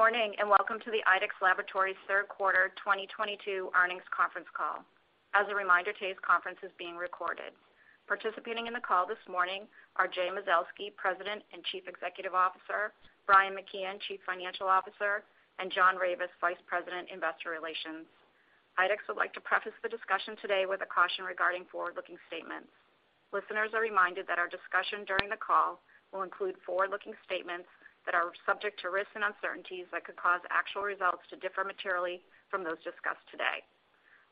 Good morning, and welcome to the IDEXX Laboratories Q3 2022 earnings conference call. As a reminder, today's conference is being recorded. Participating in the call this morning are Jay Mazelsky, President and Chief Executive Officer, Brian McKeon, Chief Financial Officer, and John Ravis, Vice President, Investor Relations. IDEXX would like to preface the discussion today with a caution regarding forward-looking statements. Listeners are reminded that our discussion during the call will include forward-looking statements that are subject to risks and uncertainties that could cause actual results to differ materially from those discussed today.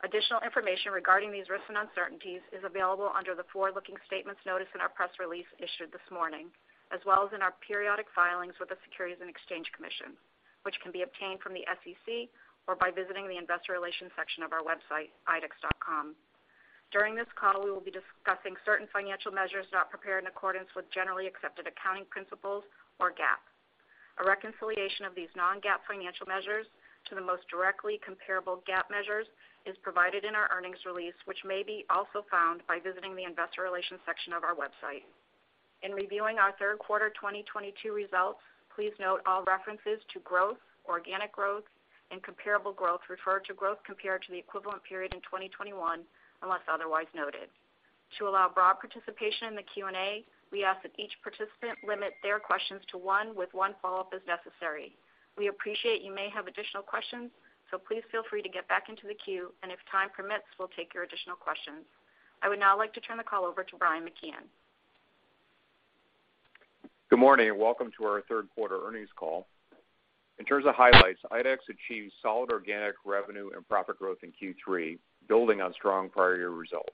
Additional information regarding these risks and uncertainties is available under the Forward-Looking Statements notice in our press release issued this morning, as well as in our periodic filings with the Securities and Exchange Commission, which can be obtained from the SEC or by visiting the Investor Relations section of our website, idexx.com. During this call, we will be discussing certain financial measures not prepared in accordance with generally accepted accounting principles, or GAAP. A reconciliation of these non-GAAP financial measures to the most directly comparable GAAP measures is provided in our earnings release, which may be also found by visiting the Investor Relations section of our website. In reviewing our Q3 2022 results, please note all references to growth, organic growth, and comparable growth refer to growth compared to the equivalent period in 2021, unless otherwise noted. To allow broad participation in the Q&A, we ask that each participant limit their questions to one with one follow-up as necessary. We appreciate you may have additional questions, so please feel free to get back into the queue, and if time permits, we'll take your additional questions. I would now like to turn the call over to Brian McKeon. Good morning, and welcome to our Q3 earnings call. In terms of highlights, IDEXX achieved solid organic revenue and profit growth in Q3, building on strong prior year results.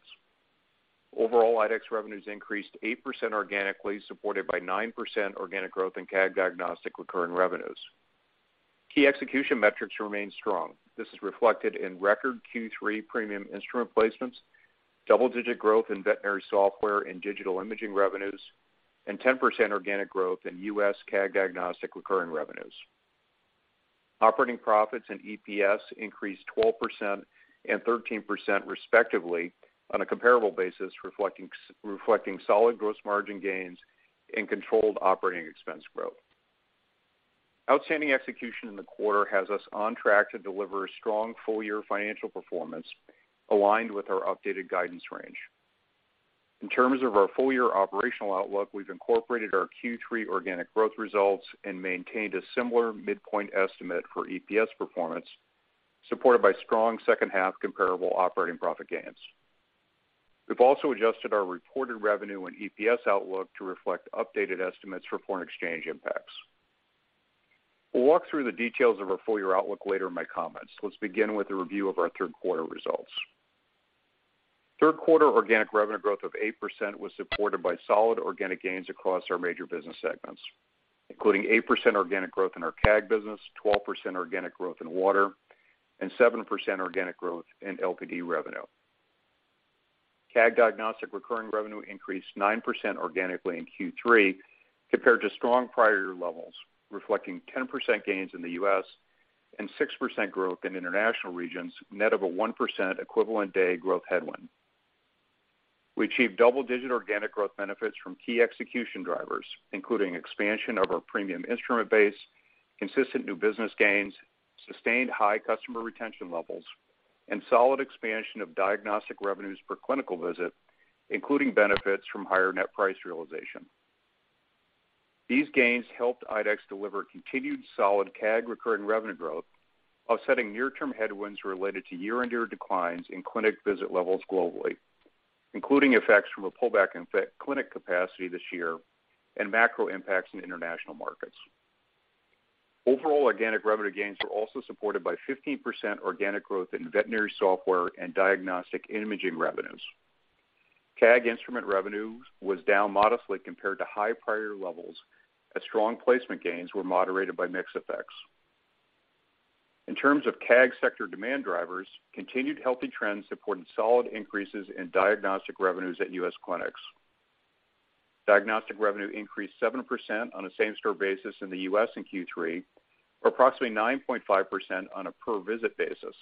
Overall, IDEXX revenues increased 8% organically, supported by 9% organic growth in CAG Diagnostic recurring revenues. Key execution metrics remain strong. This is reflected in record Q3 premium instrument placements, double-digit growth in veterinary software and digital imaging revenues, and 10% organic growth in US CAG Diagnostic recurring revenues. Operating profits and EPS increased 12% and 13% respectively on a comparable basis, reflecting solid gross margin gains and controlled operating expense growth. Outstanding execution in the quarter has us on track to deliver strong full-year financial performance aligned with our updated guidance range. In terms of our full-year operational outlook, we've incorporated our Q3 organic growth results and maintained a similar midpoint estimate for EPS performance, supported by strong second half comparable operating profit gains. We've also adjusted our reported revenue and EPS outlook to reflect updated estimates for foreign exchange impacts. We'll walk through the details of our full-year outlook later in my comments. Let's begin with a review of our Q3 results. Q3 organic revenue growth of 8% was supported by solid organic gains across our major business segments, including 8% organic growth in our CAG business, 12% organic growth in water, and 7% organic growth in LPD revenue. CAG diagnostic recurring revenue increased 9% organically in Q3 compared to strong prior year levels, reflecting 10% gains in the US and 6% growth in international regions, net of a 1% equivalent day growth headwind. We achieved double-digit organic growth benefits from key execution drivers, including expansion of our premium instrument base, consistent new business gains, sustained high customer retention levels, and solid expansion of diagnostic revenues per clinical visit, including benefits from higher net price realization. These gains helped IDEXX deliver continued solid CAG recurring revenue growth, offsetting near-term headwinds related to year-on-year declines in clinic visit levels globally, including effects from a pullback in vet clinic capacity this year and macro impacts in international markets. Overall organic revenue gains were also supported by 15% organic growth in veterinary software and diagnostic imaging revenues. CAG instrument revenues was down modestly compared to high prior levels as strong placement gains were moderated by mix effects. In terms of CAG sector demand drivers, continued healthy trends supported solid increases in diagnostic revenues at US clinics. Diagnostic revenue increased 7% on a same-store basis in the US in Q3, or approximately 9.5% on a per-visit basis,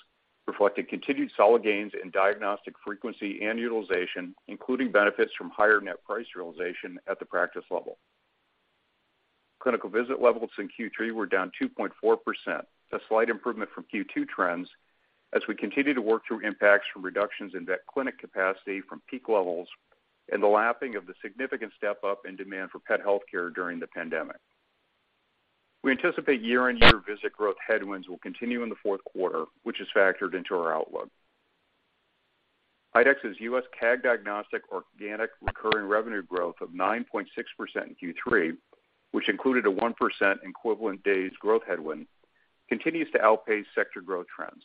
reflecting continued solid gains in diagnostic frequency and utilization, including benefits from higher net price realization at the practice level. Clinical visit levels in Q3 were down 2.4%, a slight improvement from Q2 trends as we continue to work through impacts from reductions in vet clinic capacity from peak levels and the lapping of the significant step-up in demand for pet healthcare during the pandemic. We anticipate year-on-year visit growth headwinds will continue in the Q4, which is factored into our outlook. IDEXX's US CAG Diagnostic organic recurring revenue growth of 9.6% in Q3, which included a 1% equivalent days growth headwind, continues to outpace sector growth trends.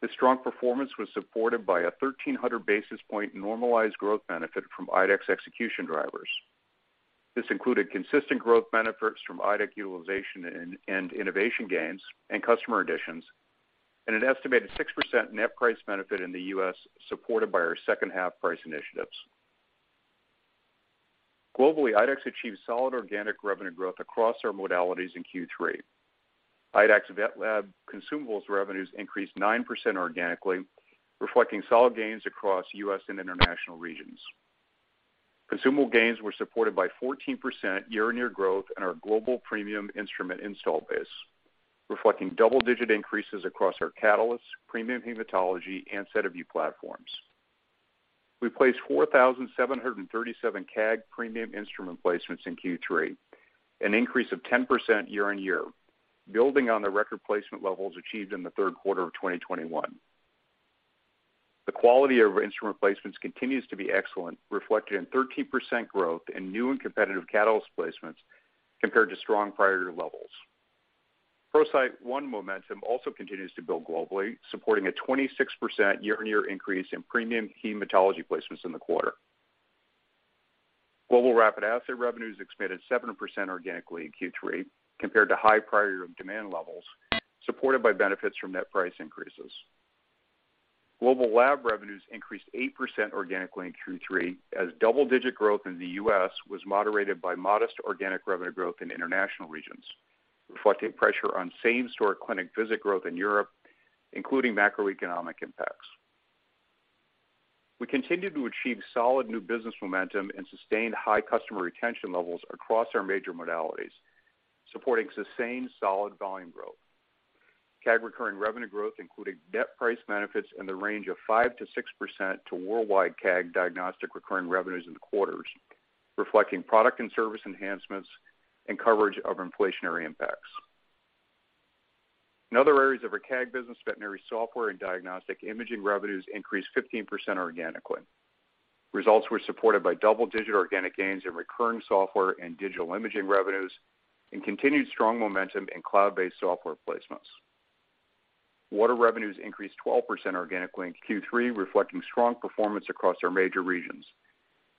This strong performance was supported by a 1,300 basis points normalized growth benefit from IDEXX execution drivers. This included consistent growth benefits from IDEXX utilization and innovation gains and customer additions, and an estimated 6% net price benefit in the US supported by our second half price initiatives. Globally, IDEXX achieved solid organic revenue growth across our modalities in Q3. IDEXX VetLab consumables revenues increased 9% organically, reflecting solid gains across US and international regions. Consumable gains were supported by 14% year-on-year growth in our global premium instrument install base, reflecting double-digit increases across our Catalyst, premium hematology, and SediVue platforms. We placed 4,737 CAG premium instrument placements in Q3, an increase of 10% year-on-year, building on the record placement levels achieved in the Q3 of 2021. The quality of instrument placements continues to be excellent, reflected in 13% growth in new and competitive Catalyst placements compared to strong prior year levels. ProCyte One momentum also continues to build globally, supporting a 26% year-on-year increase in premium hematology placements in the quarter. Global rapid asset revenues expanded 7% organically in Q3 compared to high prior year demand levels, supported by benefits from net price increases. Global lab revenues increased 8% organically in Q3 as double-digit growth in the US was moderated by modest organic revenue growth in international regions, reflecting pressure on same-store clinic visit growth in Europe, including macroeconomic impacts. We continued to achieve solid new business momentum and sustained high customer retention levels across our major modalities, supporting sustained solid volume growth. CAG recurring revenue growth included net price benefits in the range of 5%-6% to worldwide CAG diagnostic recurring revenues in the quarters, reflecting product and service enhancements and coverage of inflationary impacts. In other areas of our CAG business, veterinary software and diagnostic imaging revenues increased 15% organically. Results were supported by double-digit organic gains in recurring software and digital imaging revenues and continued strong momentum in cloud-based software placements. Water revenues increased 12% organically in Q3, reflecting strong performance across our major regions,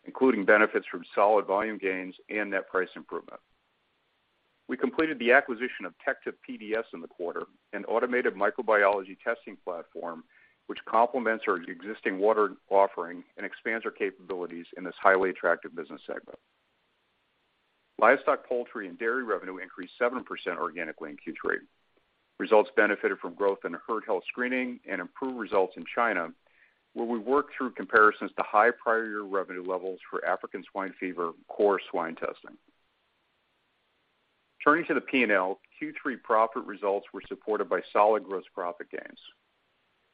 including benefits from solid volume gains and net price improvement. We completed the acquisition of TECTA PDS in the quarter, an automated microbiology testing platform, which complements our existing water offering and expands our capabilities in this highly attractive business segment. Livestock, poultry, and dairy revenue increased 7% organically in Q3. Results benefited from growth in herd health screening and improved results in China, where we worked through comparisons to high prior year revenue levels for African swine fever core swine testing. Turning to the P&L, Q3 profit results were supported by solid gross profit gains.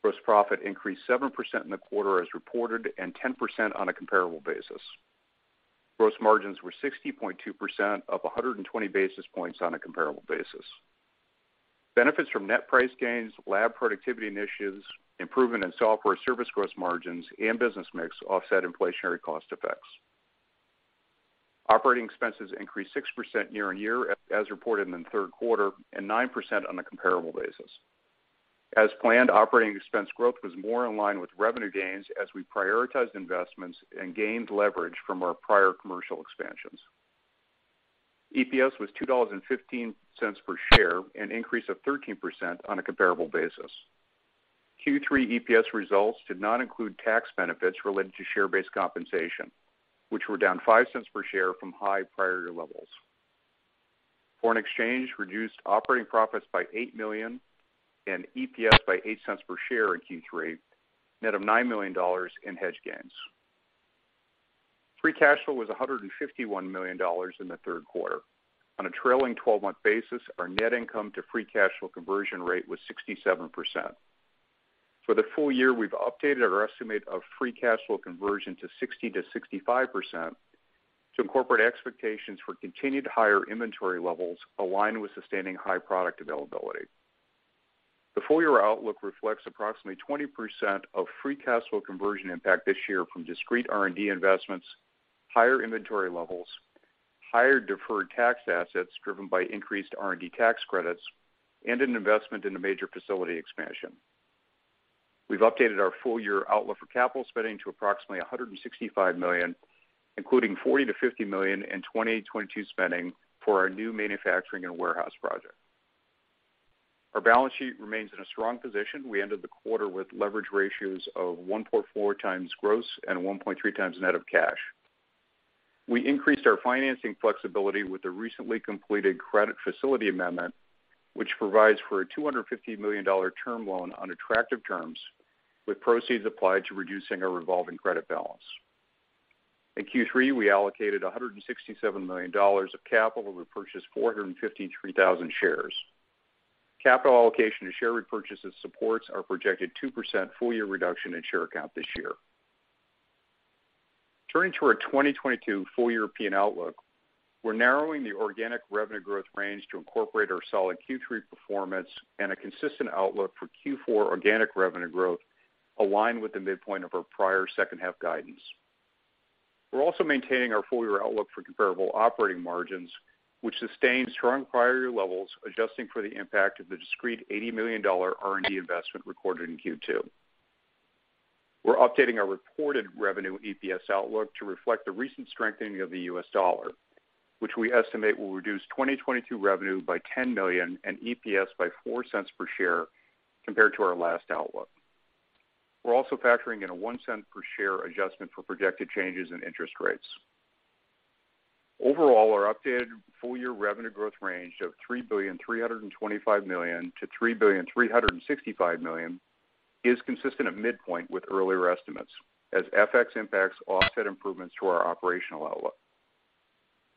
Gross profit increased 7% in the quarter as reported and 10% on a comparable basis. Gross margins were 60.2%, up 120 basis points on a comparable basis. Benefits from net price gains, lab productivity initiatives, improvement in software service gross margins, and business mix offset inflationary cost effects. Operating expenses increased 6% year-on-year as reported in the Q3 and 9% on a comparable basis. As planned, operating expense growth was more in line with revenue gains as we prioritized investments and gained leverage from our prior commercial expansions. EPS was $2.15 per share, an increase of 13% on a comparable basis. Q3 EPS results did not include tax benefits related to share-based compensation, which were down $0.05 per share from high prior year levels. Foreign exchange reduced operating profits by $8 million and EPS by $0.08 per share in Q3, net of $9 million in hedge gains. Free cash flow was $151 million in the Q3. On a trailing twelve-month basis, our net income to free cash flow conversion rate was 67%. For the full year, we've updated our estimate of free cash flow conversion to 60%-65% to incorporate expectations for continued higher inventory levels aligned with sustaining high product availability. The full year outlook reflects approximately 20% of free cash flow conversion impact this year from discrete R&D investments, higher inventory levels, higher deferred tax assets driven by increased R&D tax credits, and an investment in a major facility expansion. We've updated our full year outlook for capital spending to approximately $165 million, including $40-$50 million in 2022 spending for our new manufacturing and warehouse project. Our balance sheet remains in a strong position. We ended the quarter with leverage ratios of 1.4 times gross and 1.3 times net of cash. We increased our financing flexibility with the recently completed credit facility amendment, which provides for a $250 million term loan on attractive terms, with proceeds applied to reducing our revolving credit balance. In Q3, we allocated $167 million of capital to repurchase 453,000 shares. Capital allocation to share repurchases supports our projected 2% full year reduction in share count this year. Turning to our 2022 full year P&L outlook, we're narrowing the organic revenue growth range to incorporate our solid Q3 performance and a consistent outlook for Q4 organic revenue growth aligned with the midpoint of our prior second half guidance. We're also maintaining our full year outlook for comparable operating margins, which sustained strong prior year levels, adjusting for the impact of the discrete $80 million R&D investment recorded in Q2. We're updating our reported revenue EPS outlook to reflect the recent strengthening of the US dollar, which we estimate will reduce 2022 revenue by $10 million and EPS by $0.04 per share compared to our last outlook. We're also factoring in a $0.01 per share adjustment for projected changes in interest rates. Overall, our updated full year revenue growth range of $3.325-$3.365 billion is consistent at midpoint with earlier estimates, as FX impacts offset improvements to our operational outlook.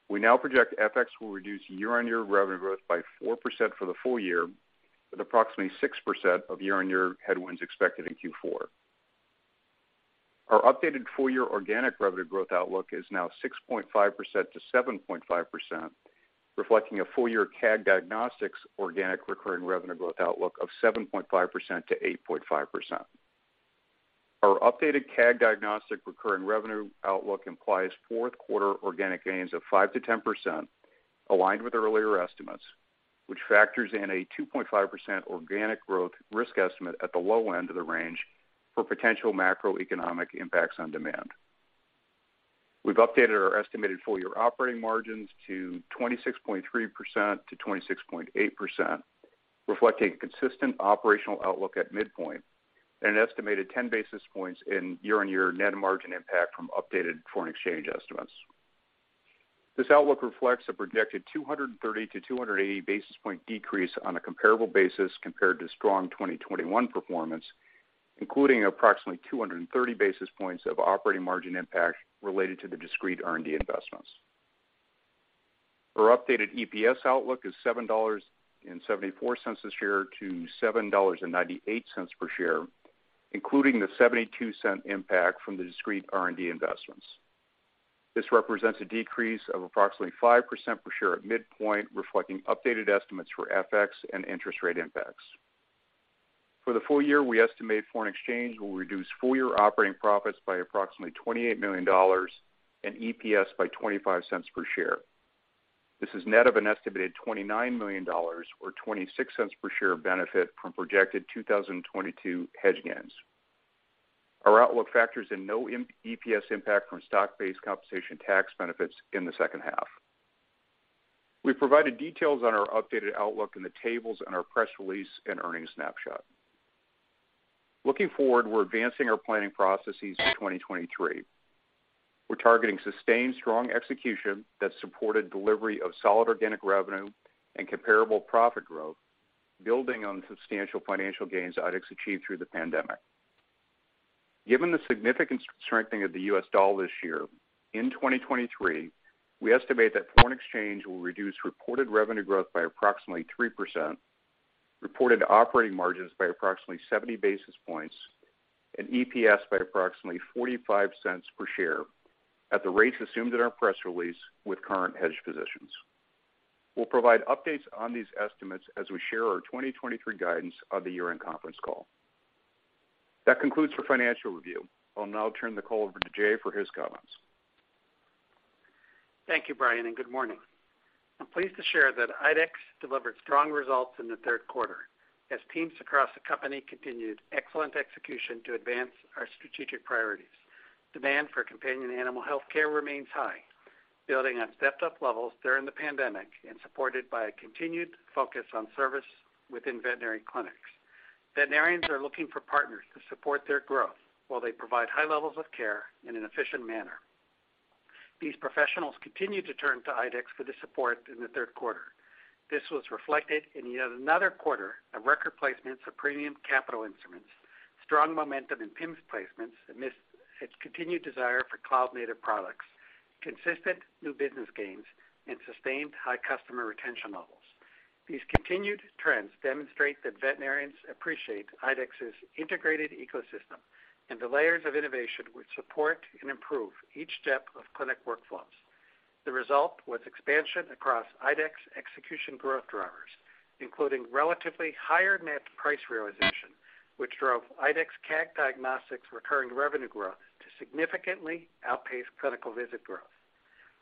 We now project FX will reduce year-on-year revenue growth by 4% for the full year, with approximately 6% of year-on-year headwinds expected in Q4. Our updated full year organic revenue growth outlook is now 6.5%-7.5%, reflecting a full year CAG Diagnostics organic recurring revenue growth outlook of 7.5%-8.5%. Our updated CAG Diagnostics recurring revenue outlook implies Q4 organic gains of 5%-10% aligned with earlier estimates, which factors in a 2.5% organic growth risk estimate at the low end of the range for potential macroeconomic impacts on demand. We've updated our estimated full year operating margins to 26.3%-26.8%, reflecting a consistent operational outlook at midpoint and an estimated 10 basis points in year-on-year net margin impact from updated foreign exchange estimates. This outlook reflects a projected 230-280 basis point decrease on a comparable basis compared to strong 2021 performance, including approximately 230 basis points of operating margin impact related to the discrete R&D investments. Our updated EPS outlook is $7.74 a share to $7.98 per share, including the $0.72 impact from the discrete R&D investments. This represents a decrease of approximately 5% per share at midpoint, reflecting updated estimates for FX and interest rate impacts. For the full year, we estimate foreign exchange will reduce full year operating profits by approximately $28 million and EPS by $0.25 per share. This is net of an estimated $29 million or $0.26 per share benefit from projected 2022 hedge gains. Our outlook factors in no EPS impact from stock-based compensation tax benefits in the second half. We've provided details on our updated outlook in the tables in our press release and earnings snapshot. Looking forward, we're advancing our planning processes for 2023. We're targeting sustained strong execution that supported delivery of solid organic revenue and comparable profit growth, building on the substantial financial gains IDEXX achieved through the pandemic. Given the significant strengthening of the US dollar this year, in 2023, we estimate that foreign exchange will reduce reported revenue growth by approximately 3%, reported operating margins by approximately 70 basis points, and EPS by approximately $0.45 per share at the rates assumed in our press release with current hedge positions. We'll provide updates on these estimates as we share our 2023 guidance on the year-end conference call. That concludes the financial review. I'll now turn the call over to Jay for his comments. Thank you, Bryan, and good morning. I'm pleased to share that IDEXX delivered strong results in the Q3 as teams across the company continued excellent execution to advance our strategic priorities. Demand for companion animal healthcare remains high, building on stepped up levels during the pandemic and supported by a continued focus on service within veterinary clinics. Veterinarians are looking for partners to support their growth while they provide high levels of care in an efficient manner. These professionals continued to turn to IDEXX for the support in the Q3. This was reflected in yet another quarter of record placements of premium capital instruments, strong momentum in PIMS placements amidst its continued desire for cloud-native products, consistent new business gains, and sustained high customer retention levels. These continued trends demonstrate that veterinarians appreciate IDEXX's integrated ecosystem and the layers of innovation which support and improve each step of clinic workflows. The result was expansion across IDEXX execution growth drivers, including relatively higher net price realization, which drove IDEXX CAG Diagnostics recurring revenue growth to significantly outpace clinical visit growth.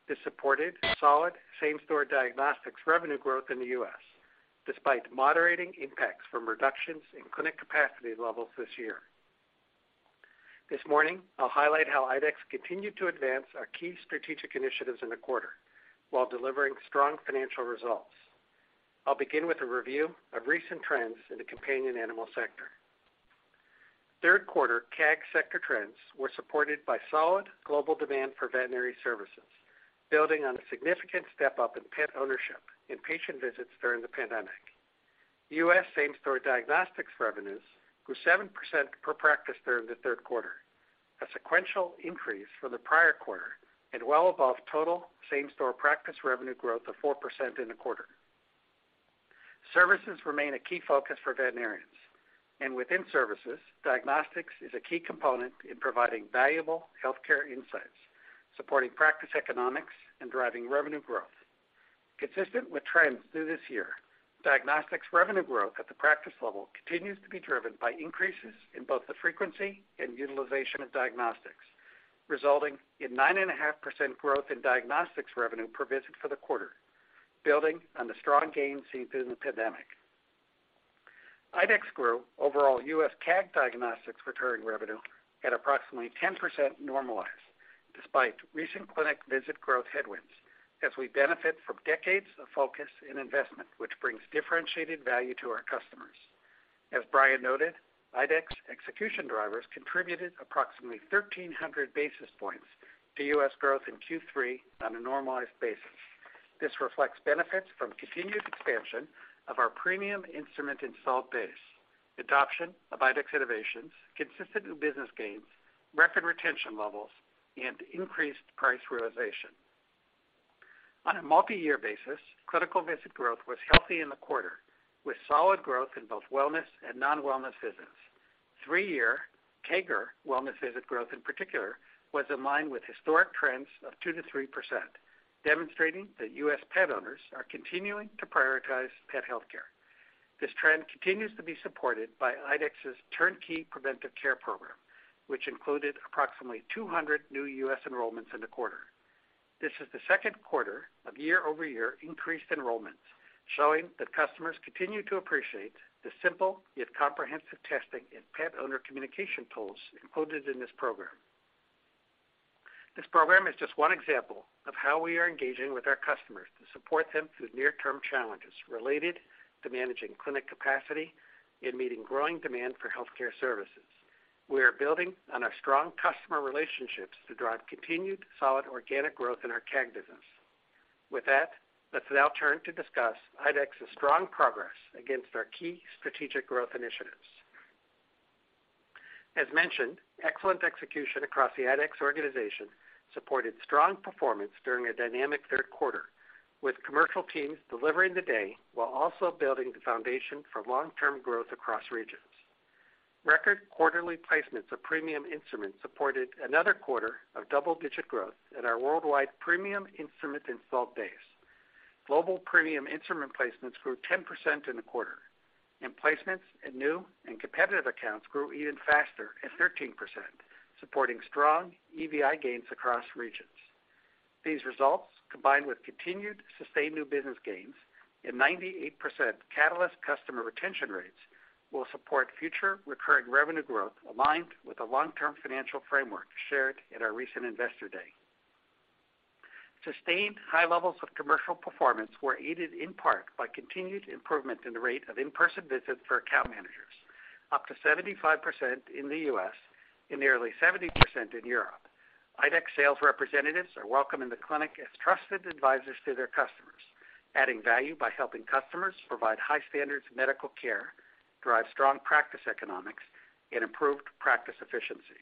This supported solid same-store diagnostics revenue growth in the US, despite moderating impacts from reductions in clinic capacity levels this year. This morning, I'll highlight how IDEXX continued to advance our key strategic initiatives in the quarter while delivering strong financial results. I'll begin with a review of recent trends in the companion animal sector. Q3 CAG sector trends were supported by solid global demand for veterinary services, building on a significant step-up in pet ownership and patient visits during the pandemic. US same-store diagnostics revenues grew 7% per practice during the Q3, a sequential increase from the prior quarter and well above total same-store practice revenue growth of 4% in the quarter. Services remain a key focus for veterinarians, and within services, diagnostics is a key component in providing valuable healthcare insights, supporting practice economics and driving revenue growth. Consistent with trends through this year, diagnostics revenue growth at the practice level continues to be driven by increases in both the frequency and utilization of diagnostics, resulting in 9.5% growth in diagnostics revenue per visit for the quarter, building on the strong gains seen through the pandemic. IDEXX grew overall US CAG Diagnostics recurring revenue at approximately 10% normalized despite recent clinic visit growth headwinds, as we benefit from decades of focus and investment, which brings differentiated value to our customers. As Brian noted, IDEXX execution drivers contributed approximately 1,300 basis points to US growth in Q3 on a normalized basis. This reflects benefits from continued expansion of our premium instrument installed base, adoption of IDEXX innovations, consistent new business gains, record retention levels and increased price realization. On a multi-year basis, clinical visit growth was healthy in the quarter, with solid growth in both wellness and non-wellness visits. Three-year CAGR wellness visit growth, in particular, was in line with historic trends of 2%-3%, demonstrating that US pet owners are continuing to prioritize pet healthcare. This trend continues to be supported by IDEXX's turnkey preventive care program, which included approximately 200 new US enrollments in the quarter. This is the Q2 of year-over-year increased enrollments, showing that customers continue to appreciate the simple yet comprehensive testing and pet owner communication tools included in this program. This program is just one example of how we are engaging with our customers to support them through near-term challenges related to managing clinic capacity and meeting growing demand for healthcare services. We are building on our strong customer relationships to drive continued solid organic growth in our CAG business. With that, let's now turn to discuss IDEXX's strong progress against our key strategic growth initiatives. As mentioned, excellent execution across the IDEXX organization supported strong performance during a dynamic Q3, with commercial teams delivering the day while also building the foundation for long-term growth across regions. Record quarterly placements of premium instruments supported another quarter of double-digit growth in our worldwide premium instrument installed base. Global premium instrument placements grew 10% in the quarter, and placements in new and competitive accounts grew even faster at 13%, supporting strong EVI gains across regions. These results, combined with continued sustained new business gains and 98% Catalyst customer retention rates, will support future recurring revenue growth aligned with the long-term financial framework shared at our recent Investor Day. Sustained high levels of commercial performance were aided in part by continued improvement in the rate of in-person visits for account managers, up to 75% in the US and nearly 70% in Europe. IDEXX sales representatives are welcome in the clinic as trusted advisors to their customers, adding value by helping customers provide high standards medical care, drive strong practice economics and improved practice efficiency.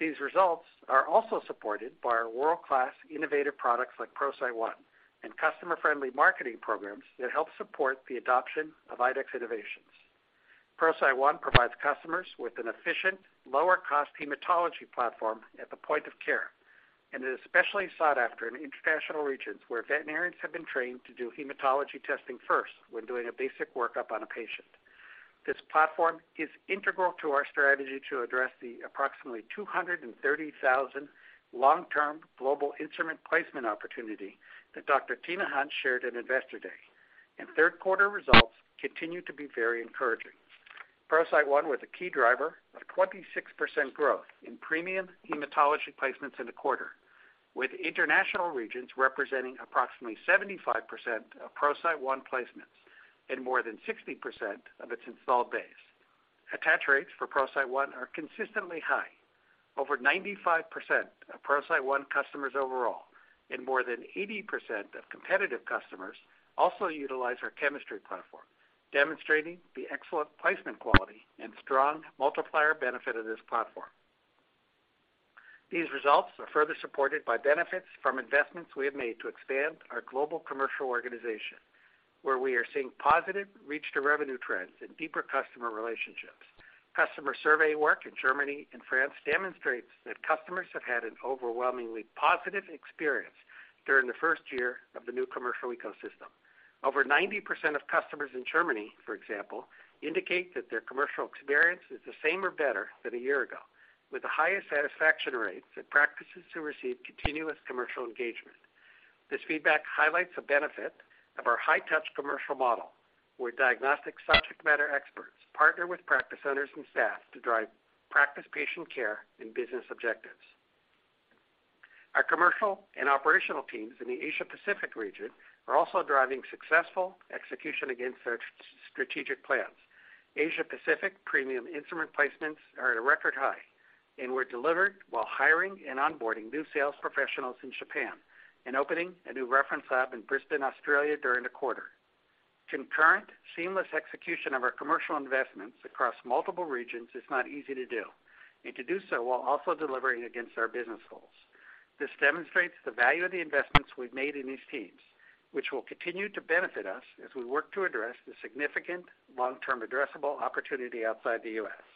These results are also supported by our world-class innovative products like ProCyte One and customer-friendly marketing programs that help support the adoption of IDEXX innovations. ProCyte One provides customers with an efficient, lower-cost hematology platform at the point of care, and is especially sought after in international regions where veterinarians have been trained to do hematology testing 1st when doing a basic workup on a patient. This platform is integral to our strategy to address the approximately 230,000 long-term global instrument placement opportunity that Dr. Tina Hunt shared at Investor Day, and Q3 results continue to be very encouraging. ProCyte One was a key driver of 26% growth in premium hematology placements in the quarter, with international regions representing approximately 75% of ProCyte One placements and more than 60% of its installed base. Attach rates for ProCyte One are consistently high. Over 95% of ProCyte One customers overall and more than 80% of competitive customers also utilize our chemistry platform, demonstrating the excellent placement quality and strong multiplier benefit of this platform. These results are further supported by benefits from investments we have made to expand our global commercial organization, where we are seeing positive reach to revenue trends and deeper customer relationships. Customer survey work in Germany and France demonstrates that customers have had an overwhelmingly positive experience during the 1st year of the new commercial ecosystem. Over 90% of customers in Germany, for example, indicate that their commercial experience is the same or better than a year ago, with the highest satisfaction rates at practices who receive continuous commercial engagement. This feedback highlights the benefit of our high-touch commercial model, where diagnostic subject matter experts partner with practice owners and staff to drive practice patient care and business objectives. Our commercial and operational teams in the Asia Pacific region are also driving successful execution against their strategic plans. Asia Pacific premium instrument placements are at a record high and were delivered while hiring and onboarding new sales professionals in Japan and opening a new reference lab in Brisbane, Australia during the quarter. Concurrent seamless execution of our commercial investments across multiple regions is not easy to do, and to do so while also delivering against our business goals. This demonstrates the value of the investments we've made in these teams, which will continue to benefit us as we work to address the significant long-term addressable opportunity outside the US.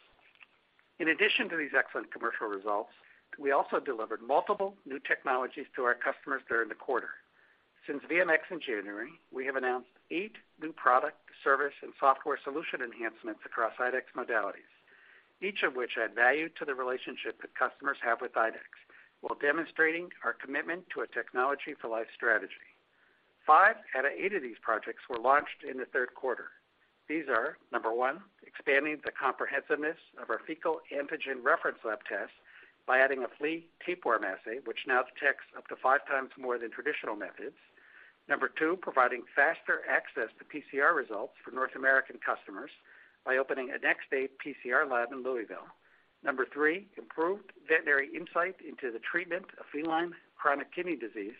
In addition to these excellent commercial results, we also delivered multiple new technologies to our customers during the quarter. Since VMX in January, we have announced 8 new product, service and software solution enhancements across IDEXX modalities, each of which add value to the relationship that customers have with IDEXX while demonstrating our commitment to a technology for life strategy. five out of eight of these projects were launched in the Q3. These are, number one, expanding the comprehensiveness of our fecal antigen reference lab test by adding a flea tapeworm assay, which now detects up to five times more than traditional methods. Number two, providing faster access to PCR results for North American customers by opening a next-day PCR lab in Louisville. Number three, improved veterinary insight into the treatment of feline chronic kidney disease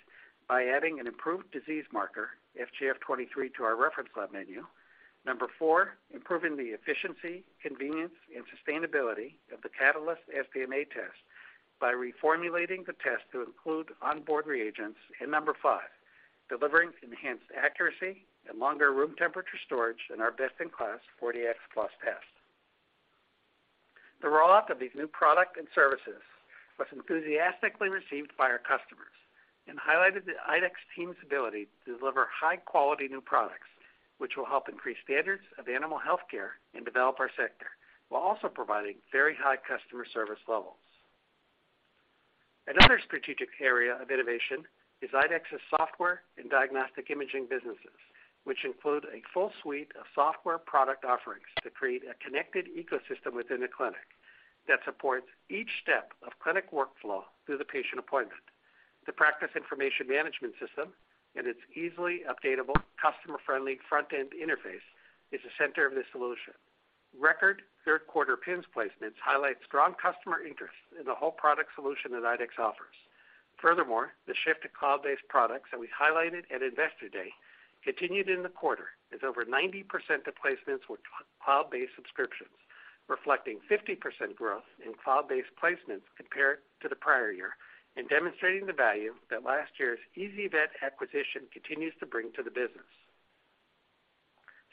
by adding an improved disease marker, FGF23, to our reference lab menu. Number four, improving the efficiency, convenience and sustainability of the Catalyst SDMA test by reformulating the test to include onboard reagents. Number five, delivering enhanced accuracy and longer room temperature storage in our best-in-class SNAP 4Dx Plus test. The rollout of these new product and services was enthusiastically received by our customers and highlighted the IDEXX team's ability to deliver high-quality new products, which will help increase standards of animal health care and develop our sector while also providing very high customer service levels. Another strategic area of innovation is IDEXX's software and diagnostic imaging businesses, which include a full suite of software product offerings to create a connected ecosystem within the clinic that supports each step of clinic workflow through the patient appointment. The Practice Information Management System and its easily updatable, customer-friendly front-end interface is the center of this solution. Record Q3 PIMS placements highlight strong customer interest in the whole product solution that IDEXX offers. Furthermore, the shift to cloud-based products that we highlighted at Investor Day continued in the quarter, as over 90% of placements were cloud-based subscriptions, reflecting 50% growth in cloud-based placements compared to the prior year and demonstrating the value that last year's ezyVet acquisition continues to bring to the business.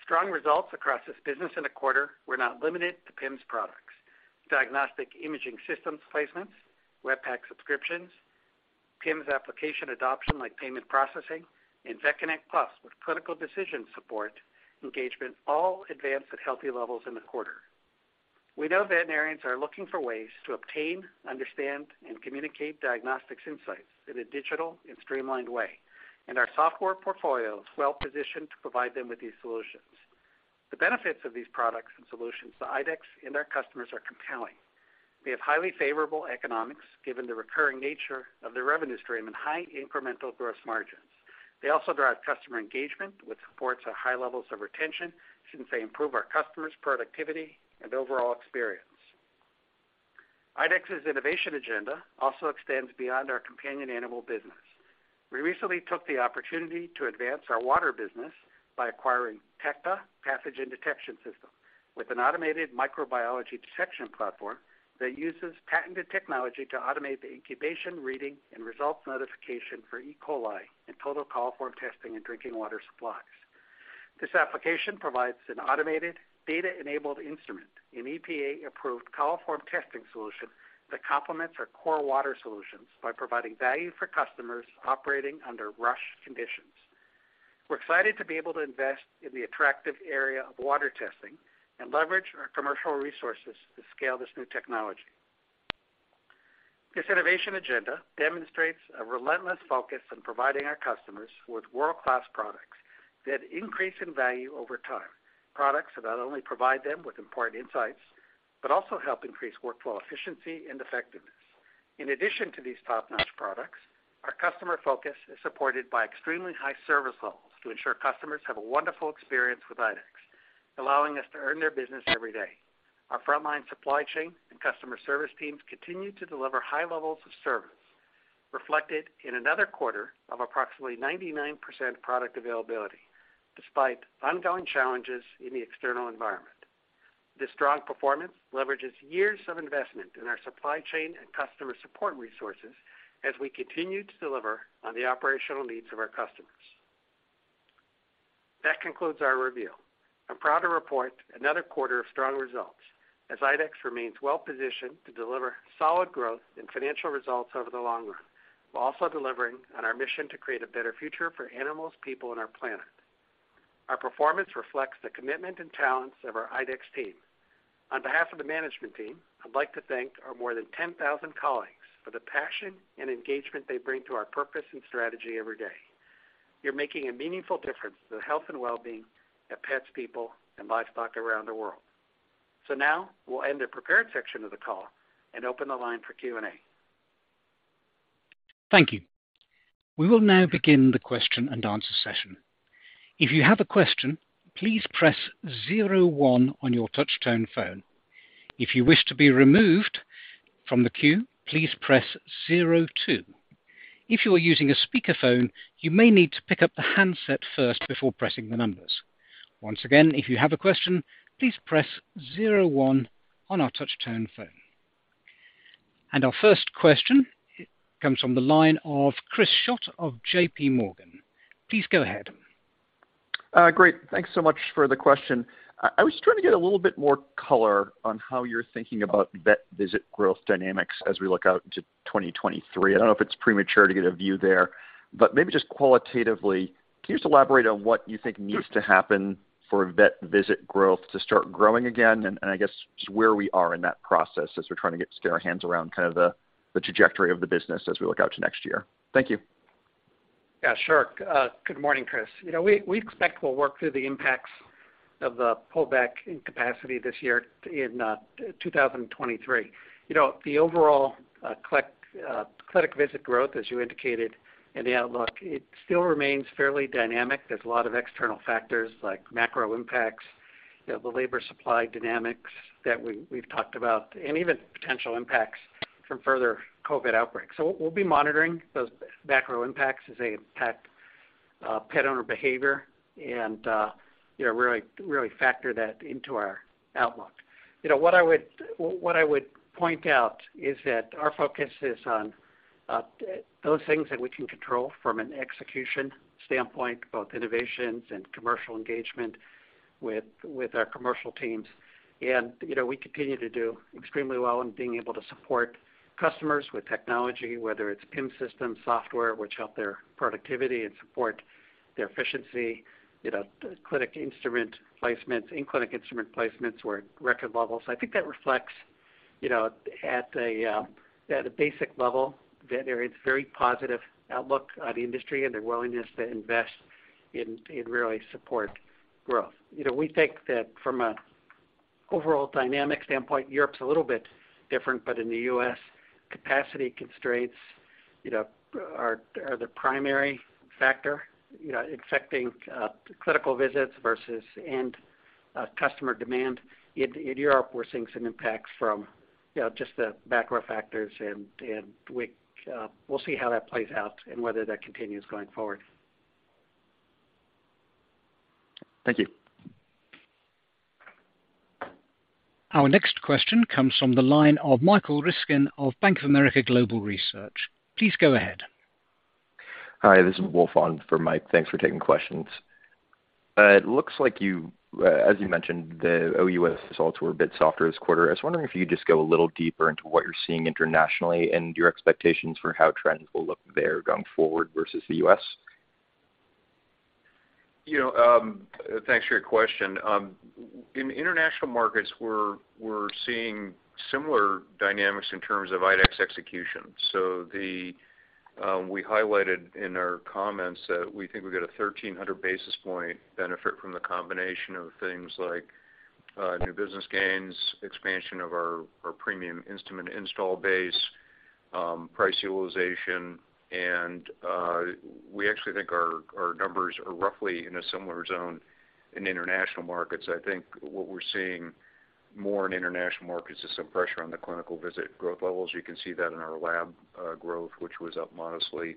Strong results across this business in the quarter were not limited to PIMS products. Diagnostic imaging systems placements, Web PACS subscriptions, PIMS application adoption like payment processing, and VetConnect PLUS with critical decision support engagement all advanced at healthy levels in the quarter. We know veterinarians are looking for ways to obtain, understand, and communicate diagnostics insights in a digital and streamlined way, and our software portfolio is well-positioned to provide them with these solutions. The benefits of these products and solutions to IDEXX and our customers are compelling. We have highly favorable economics given the recurring nature of the revenue stream and high incremental gross margins. They also drive customer engagement, which supports our high levels of retention since they improve our customers' productivity and overall experience. IDEXX's innovation agenda also extends beyond our companion animal business. We recently took the opportunity to advance our water business by acquiring TECTA-Pathogen Detection Systems, with an automated microbiology detection platform that uses patented technology to automate the incubation, reading, and results notification for E. coli and total coliform testing in drinking water supplies. This application provides an automated data-enabled instrument, an EPA-approved coliform testing solution that complements our core water solutions by providing value for customers operating under rush conditions. We're excited to be able to invest in the attractive area of water testing and leverage our commercial resources to scale this new technology. This innovation agenda demonstrates a relentless focus on providing our customers with world-class products that increase in value over time, products that not only provide them with important insights, but also help increase workflow efficiency and effectiveness. In addition to these top-notch products, our customer focus is supported by extremely high service levels to ensure customers have a wonderful experience with IDEXX, allowing us to earn their business every day. Our frontline supply chain and customer service teams continue to deliver high levels of service, reflected in another quarter of approximately 99% product availability despite ongoing challenges in the external environment. This strong performance leverages years of investment in our supply chain and customer support resources as we continue to deliver on the operational needs of our customers. That concludes our review. I'm proud to report another quarter of strong results as IDEXX remains well positioned to deliver solid growth in financial results over the long run, while also delivering on our mission to create a better future for animals, people, and our planet. Our performance reflects the commitment and talents of our IDEXX team. On behalf of the management team, I'd like to thank our more than 10,000 colleagues for the passion and engagement they bring to our purpose and strategy every day. You're making a meaningful difference to the health and well-being of pets, people, and livestock around the world. Now we'll end the prepared section of the call and open the line for Q&A. Thank you. Our 1st question comes from the line of Chris Schott of JP Morgan. Please go ahead. Great. Thanks so much for the question. I was trying to get a little bit more color on how you're thinking about vet visit growth dynamics as we look out to 2023. I don't know if it's premature to get a view there, but maybe just qualitatively, can you just elaborate on what you think needs to happen for vet visit growth to start growing again? I guess just where we are in that process as we're trying to just get our hands around kind of the trajectory of the business as we look out to next year. Thank you. Yeah, sure. Good morning, Chris. You know, we expect we'll work through the impacts of the pullback in capacity this year in 2023. You know, the overall clinic visit growth, as you indicated in the outlook, it still remains fairly dynamic. There's a lot of external factors like macro impacts, you know, the labor supply dynamics that we've talked about, and even potential impacts from further COVID outbreaks. We'll be monitoring those macro impacts as they impact pet owner behavior and, you know, really factor that into our outlook. You know, what I would point out is that our focus is on those things that we can control from an execution standpoint, both innovations and commercial engagement with our commercial teams. You know, we continue to do extremely well in being able to support customers with technology, whether it's PIMS system software, which help their productivity and support their efficiency, you know, clinic instrument placements, in-clinic instrument placements were at record levels. I think that reflects, you know, at a basic level that there is very positive outlook on the industry and their willingness to invest and really support growth. You know, we think that from an overall dynamic standpoint, Europe's a little bit different. In the US, capacity constraints, you know, are the primary factor, you know, affecting clinical visits versus customer demand. In Europe, we're seeing some impacts from, you know, just the macro factors and we will see how that plays out and whether that continues going forward. Thank you. Our next question comes from the line of Michael Ryskin of Bank of America Global Research. Please go ahead. Hi, this is Wolf on for Mike. Thanks for taking questions. It looks like you, as you mentioned, the OUS results were a bit softer this quarter. I was wondering if you could just go a little deeper into what you're seeing internationally and your expectations for how trends will look there going forward versus the US? You know, thanks for your question. In international markets, we're seeing similar dynamics in terms of IDEXX execution. We highlighted in our comments that we think we've got a 1,300 basis point benefit from the combination of things like new business gains, expansion of our premium instrument install base, price utilization. We actually think our numbers are roughly in a similar zone in international markets. I think what we're seeing more in international markets is some pressure on the clinical visit growth levels. You can see that in our lab growth, which was up modestly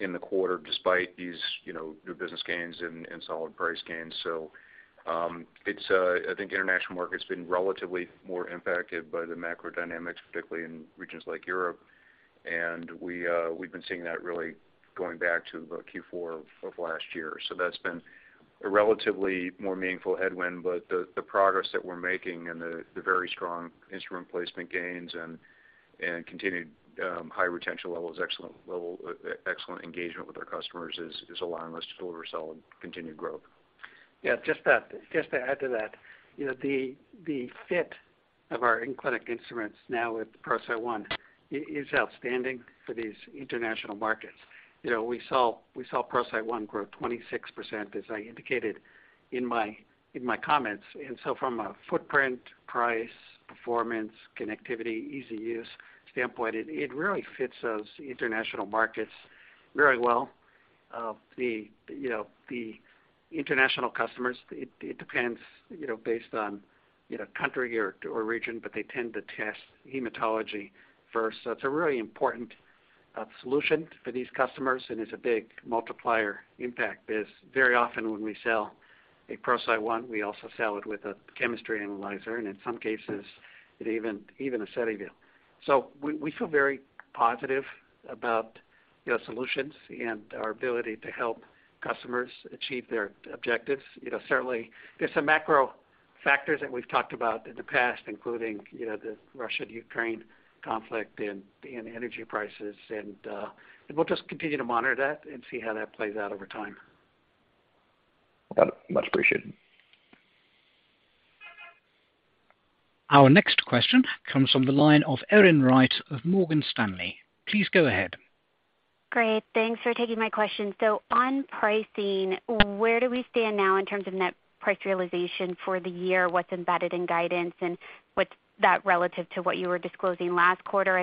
in the quarter despite these, you know, new business gains and solid price gains. It's, I think international market's been relatively more impacted by the macro dynamics, particularly in regions like Europe. We've been seeing that really going back to about Q4 of last year. That's been a relatively more meaningful headwind. The progress that we're making and the very strong instrument placement gains and continued high retention levels, excellent engagement with our customers is allowing us to deliver solid continued growth. Yeah, just to add to that, you know, the fit of our in-clinic instruments now with ProCyte One is outstanding for these international markets. You know, we saw ProCyte One grow 26%, as I indicated in my comments. From a footprint, price, performance, connectivity, easy use standpoint, it really fits those international markets very well. You know, the international customers, it depends, you know, based on country or region, but they tend to test hematology. First, it's a really important solution for these customers, and it's a big multiplier impact because very often when we sell a ProCyte One, we also sell it with a chemistry analyzer, and in some cases, it even a SediVue. We feel very positive about, you know, solutions and our ability to help customers achieve their objectives. You know, certainly there's some macro factors that we've talked about in the past, including, you know, the Russia-Ukraine conflict and energy prices. We'll just continue to monitor that and see how that plays out over time. Got it. Much appreciated. Our next question comes from the line of Erin Wright of Morgan Stanley. Please go ahead. Great. Thanks for taking my question. On pricing, where do we stand now in terms of net price realization for the year? What's embedded in guidance, and what's that relative to what you were disclosing last quarter?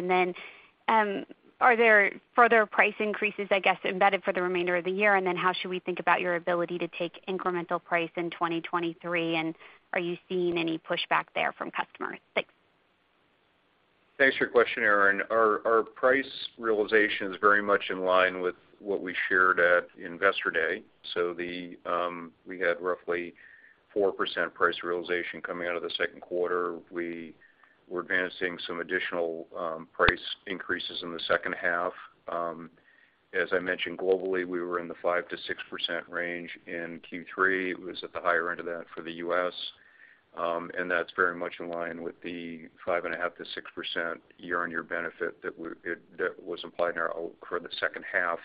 Are there further price increases, I guess, embedded for the remainder of the year? How should we think about your ability to take incremental price in 2023? Are you seeing any pushback there from customers? Thanks. Thanks for your question, Erin. Our price realization is very much in line with what we shared at Investor Day. We had roughly 4% price realization coming out of the Q2. We're advancing some additional price increases in the second half. As I mentioned, globally, we were in the 5%-6% range in Q3. It was at the higher end of that for the US That's very much in line with the 5.5%-6% year-on-year benefit that was implied in our outlook for the second half,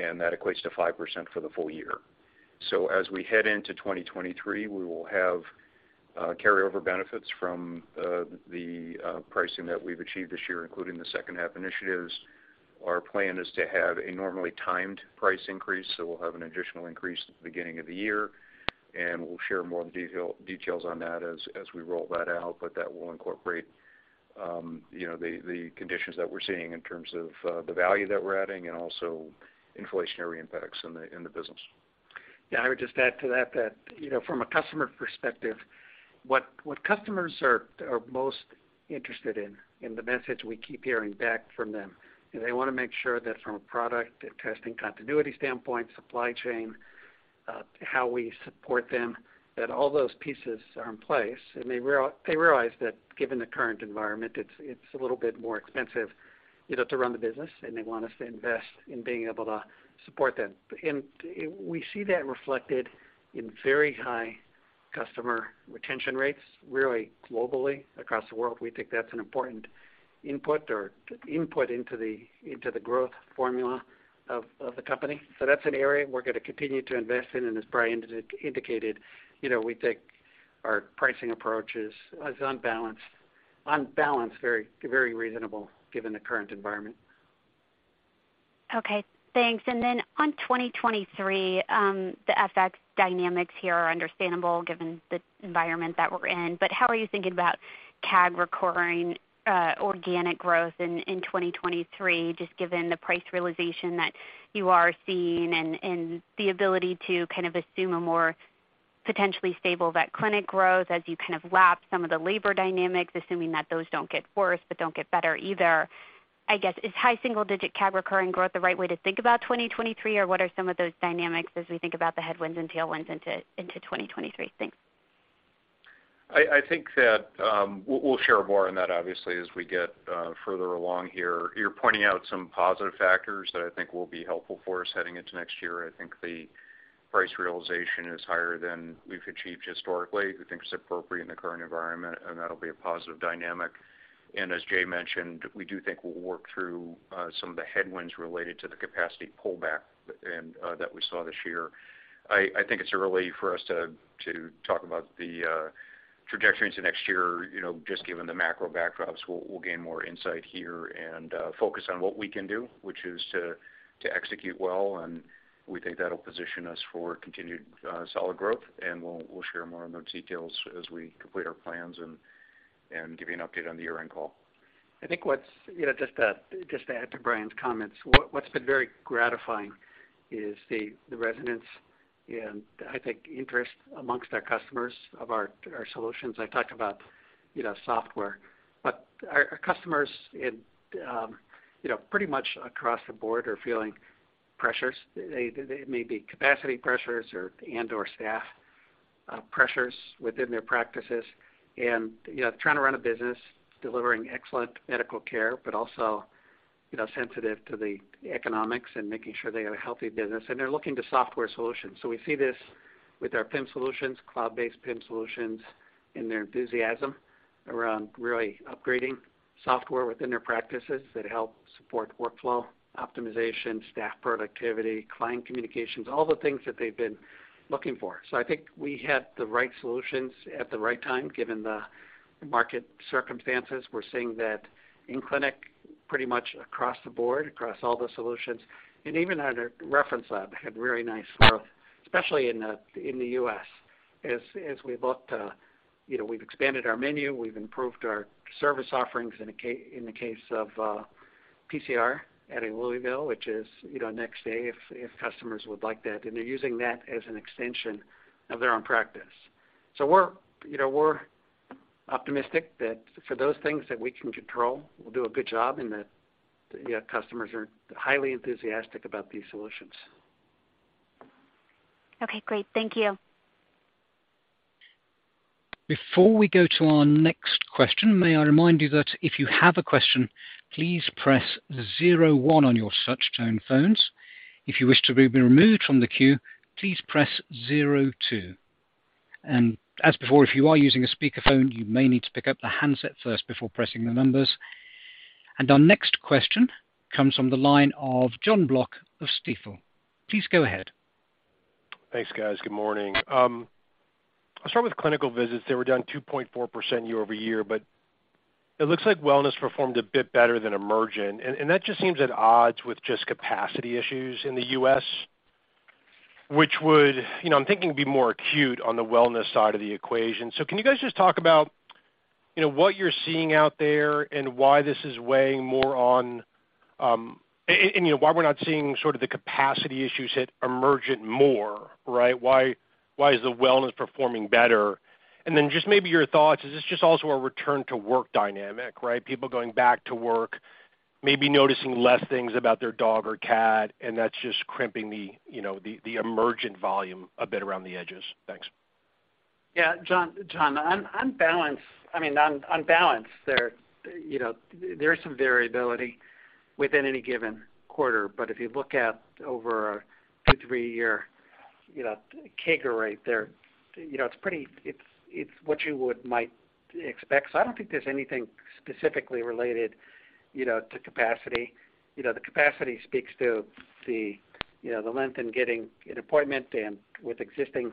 and that equates to 5% for the full year. As we head into 2023, we will have carryover benefits from the pricing that we've achieved this year, including the second half initiatives. Our plan is to have a normally timed price increase, so we'll have an additional increase at the beginning of the year, and we'll share more details on that as we roll that out. That will incorporate, you know, the conditions that we're seeing in terms of the value that we're adding and also inflationary impacts in the business. Yeah, I would just add to that that, you know, from a customer perspective, what customers are most interested in the message we keep hearing back from them, is they wanna make sure that from a product and testing continuity standpoint, supply chain, how we support them, that all those pieces are in place. They realize that given the current environment, it's a little bit more expensive, you know, to run the business, and they want us to invest in being able to support that. We see that reflected in very high customer retention rates, really globally across the world. We think that's an important input into the growth formula of the company. That's an area we're gonna continue to invest in. As Brian indicated, you know, we think our pricing approach is on balance very reasonable given the current environment. Okay, thanks. On 2023, the FX dynamics here are understandable given the environment that we're in. How are you thinking about CAG recurring organic growth in 2023, just given the price realization that you are seeing and the ability to kind of assume a more potentially stable vet clinic growth as you kind of lap some of the labor dynamics, assuming that those don't get worse, but don't get better either. I guess, is high single digit CAG recurring growth the right way to think about 2023, or what are some of those dynamics as we think about the headwinds and tailwinds into 2023? Thanks. I think that we'll share more on that obviously, as we get further along here. You're pointing out some positive factors that I think will be helpful for us heading into next year. I think the price realization is higher than we've achieved historically. We think it's appropriate in the current environment, and that'll be a positive dynamic. As Jay mentioned, we do think we'll work through some of the headwinds related to the capacity pullback and that we saw this year. I think it's early for us to talk about the trajectory into next year, you know, just given the macro backdrops. We'll gain more insight here and focus on what we can do, which is to execute well, and we think that'll position us for continued solid growth. We'll share more on those details as we complete our plans and give you an update on the year-end call. I think what's you know just to add to Brian's comments what's been very gratifying is the resonance and I think interest among our customers of our solutions. I talked about you know software but our customers in you know pretty much across the board are feeling pressures. They may be capacity pressures or and/or staff pressures within their practices. Trying to run a business delivering excellent medical care but also you know sensitive to the economics and making sure they have a healthy business and they're looking to software solutions. We see this with our PIM solutions cloud-based PIM solutions and their enthusiasm around really upgrading software within their practices that help support workflow optimization staff productivity client communications all the things that they've been looking for. I think we have the right solutions at the right time, given the market circumstances. We're seeing that in clinic pretty much across the board, across all the solutions. Even at a reference lab had very nice growth, especially in the US as we've looked, you know, we've expanded our menu, we've improved our service offerings in the case of PCR adding Louisville, which is, you know, next day if customers would like that, and they're using that as an extension of their own practice. We're optimistic that for those things that we can control, we'll do a good job and that, you know, customers are highly enthusiastic about these solutions. Okay, great. Thank you. Our next question comes from the line of Jon Block of Stifel. Please go ahead. Thanks, guys. Good morning. I'll start with clinical visits. They were down 2.4% year-over-year, but it looks like wellness performed a bit better than emergent. That just seems at odds with just capacity issues in the US, which would, you know, I'm thinking would be more acute on the wellness side of the equation. Can you guys just talk about, you know, what you're seeing out there and why this is weighing more on, and, you know, why we're not seeing sort of the capacity issues hit emergent more, right? Why is the wellness performing better? Then just maybe your thoughts, is this just also a return to work dynamic, right? People going back to work maybe noticing less things about their dog or cat, and that's just crimping, you know, the emergent volume a bit around the edges. Thanks. Yeah, Jon, on balance, I mean, on balance there, you know, there's some variability within any given quarter, but if you look at over a 2- or 3-year, you know, CAGR rate there, you know, it's pretty—it's what you might expect. I don't think there's anything specifically related, you know, to capacity. You know, the capacity speaks to the length in getting an appointment and with existing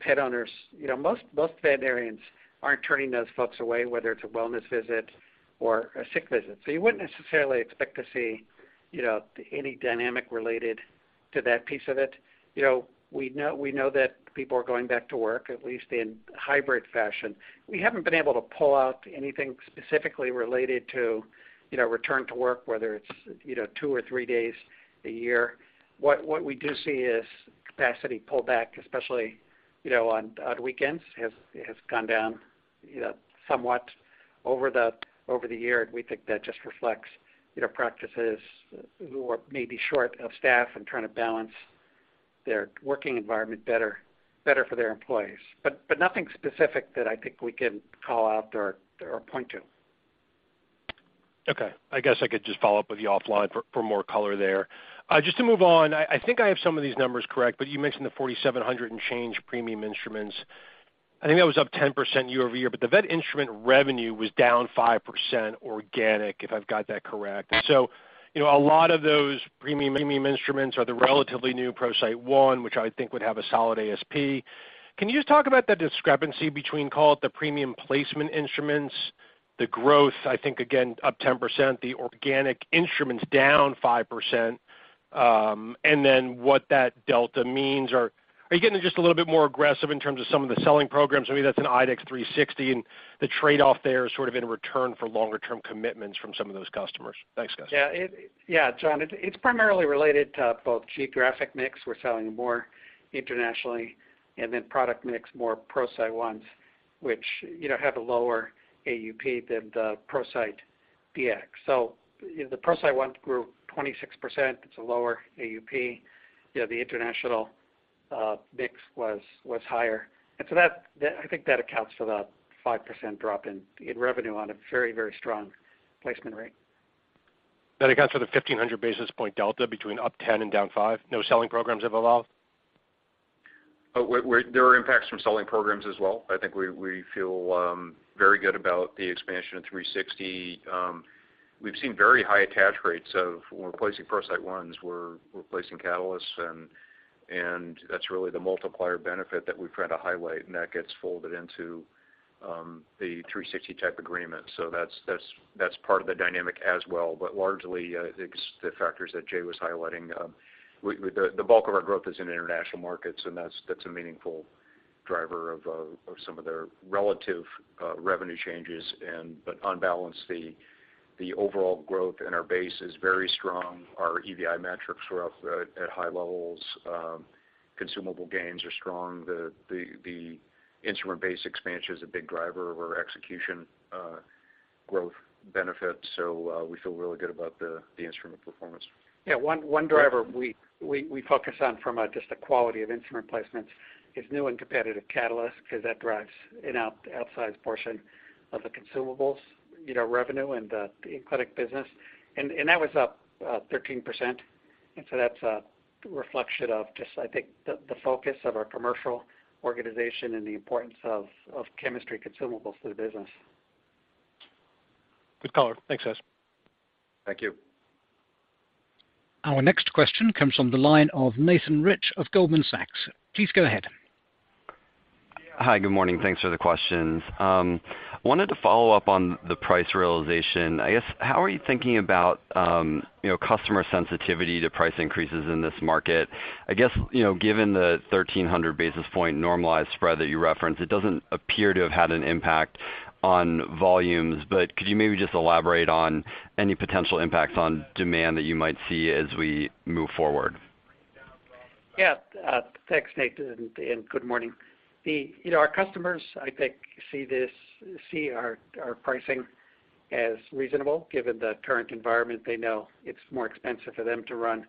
pet owners, you know, most veterinarians aren't turning those folks away, whether it's a wellness visit or a sick visit. You wouldn't necessarily expect to see, you know, any dynamic related to that piece of it. You know, we know that people are going back to work, at least in hybrid fashion. We haven't been able to pull out anything specifically related to, you know, return to work, whether it's, you know, two or three days a year. What we do see is capacity pull back, especially, you know, on weekends, has gone down, you know, somewhat over the year. We think that just reflects, you know, practices who are maybe short of staff and trying to balance their working environment better for their employees. Nothing specific that I think we can call out or point to. Okay. I guess I could just follow up with you offline for more color there. Just to move on, I think I have some of these numbers correct, but you mentioned the 4,700 and change premium instruments. I think that was up 10% year-over-year, but the vet instrument revenue was down 5% organic, if I've got that correct. You know, a lot of those premium instruments are the relatively new ProCyte One, which I think would have a solid ASP. Can you just talk about the discrepancy between, call it the premium placement instruments, the growth, I think again, up 10%, the organic instruments down 5%, and then what that delta means? Or are you getting just a little bit more aggressive in terms of some of the selling programs? I mean, that's an IDEXX 360 and the trade-off there is sort of in return for longer term commitments from some of those customers. Thanks, guys. Yeah, John, it's primarily related to both geographic mix, we're selling more internationally, and then product mix, more ProCyte Ones, which, you know, have a lower AUP than the ProCyte Dx. The ProCyte One grew 26%, it's a lower AUP. You know, the international mix was higher. That, I think, accounts for the 5% drop in revenue on a very strong placement rate. That accounts for the 1,500 basis point delta between up 10% and down 5%. No selling programs have evolved? There are impacts from selling programs as well. I think we feel very good about the expansion of IDEXX 360. We've seen very high attach rates when we're replacing ProCyte Ones, we're replacing Catalysts, and that's really the multiplier benefit that we've tried to highlight, and that gets folded into the IDEXX 360 type agreement. That's part of the dynamic as well. Largely, it's the factors that Jay was highlighting. The bulk of our growth is in international markets, and that's a meaningful driver of some of their relative revenue changes. But on balance, the overall growth in our base is very strong. Our EVI metrics were up at high levels. Consumable gains are strong. The instrument base expansion is a big driver of our execution, growth benefits. We feel really good about the instrument performance. Yeah. One driver we focus on from just the quality of instrument placements is new and competitive Catalysts, because that drives an outsized portion of the consumables, you know, revenue and the clinic business. That was up 13%. That's a reflection of just, I think, the focus of our commercial organization and the importance of chemistry consumables to the business. Good color. Thanks, guys. Thank you. Our next question comes from the line of Nathan Rich of Goldman Sachs. Please go ahead. Hi. Good morning. Thanks for the questions. Wanted to follow up on the price realization. I guess, how are you thinking about, you know, customer sensitivity to price increases in this market? I guess, you know, given the 1,300 basis point normalized spread that you referenced, it doesn't appear to have had an impact on volumes. Could you maybe just elaborate on any potential impacts on demand that you might see as we move forward? Yeah. Thanks, Nathan, and good morning. You know, our customers, I think, see this, see our pricing as reasonable. Given the current environment, they know it's more expensive for them to run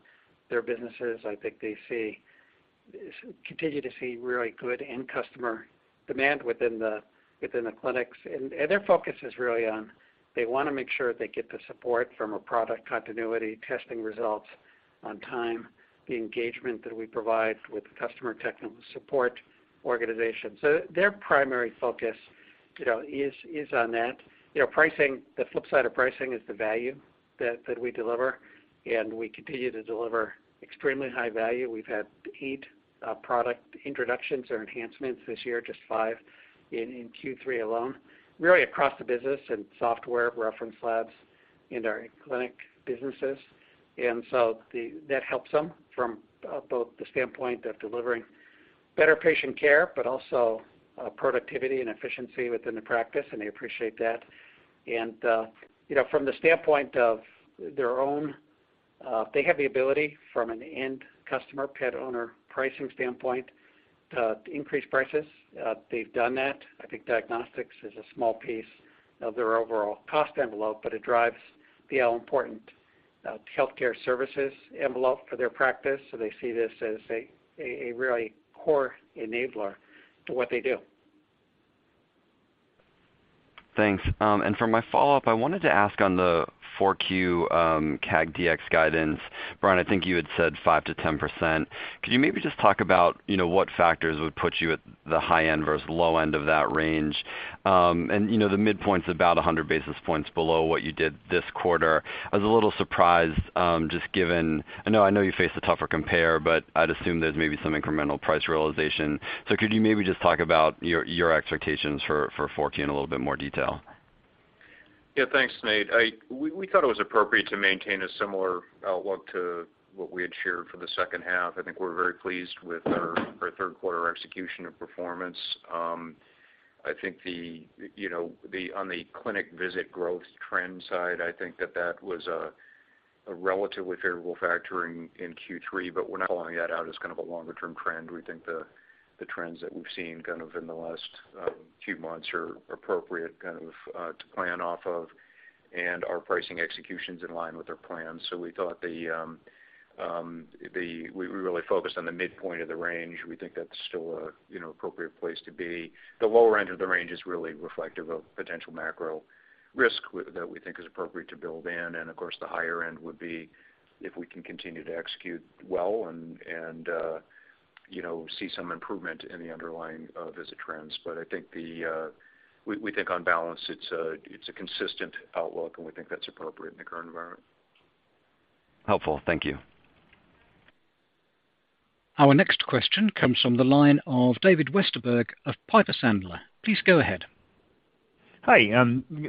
their businesses. I think they see, continue to see really good end customer demand within the clinics. Their focus is really on, they wanna make sure they get the support from a product continuity, testing results on time, the engagement that we provide with the customer technical support organization. Their primary focus, you know, is on that. You know, pricing, the flip side of pricing is the value that we deliver, and we continue to deliver extremely high value. We've had 8 product introductions or enhancements this year, just 5 in Q3 alone, really across the business in software, reference labs, in our clinic businesses. That helps them from both the standpoint of delivering better patient care, but also productivity and efficiency within the practice, and they appreciate that. You know, from the standpoint of their own, they have the ability from an end customer pet owner pricing standpoint to increase prices. They've done that. I think diagnostics is a small piece of their overall cost envelope, but it drives the important healthcare services envelope for their practice, so they see this as a really core enabler to what they do. Thanks. For my follow-up, I wanted to ask on the 4Q CAG DX guidance. Brian, I think you had said 5%-10%. Could you maybe just talk about, you know, what factors would put you at the high end versus low end of that range? The midpoint's about 100 basis points below what you did this quarter. I was a little surprised, just given I know you face the tougher compare, but I'd assume there's maybe some incremental price realization. Could you maybe just talk about your expectations for 40 in a little bit more detail? Yeah. Thanks, Nate. We thought it was appropriate to maintain a similar outlook to what we had shared for the second half. I think we're very pleased with our Q3 execution and performance. I think you know, on the clinic visit growth trend side, I think that was a relatively favorable factor in Q3, but we're not calling that out as kind of a longer-term trend. We think the trends that we've seen kind of in the last few months are appropriate kind of to plan off of, and our pricing execution's in line with our plans. We thought we really focused on the midpoint of the range. We think that's still a you know, appropriate place to be. The lower end of the range is really reflective of potential macro risk that we think is appropriate to build in. Of course, the higher end would be if we can continue to execute well and, you know, see some improvement in the underlying visit trends. I think that we think on balance, it's a consistent outlook, and we think that's appropriate in the current environment. Helpful. Thank you. Our next question comes from the line of David Westenberg of Piper Sandler. Please go ahead. Hi.